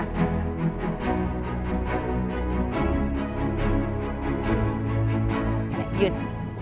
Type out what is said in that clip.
หยุด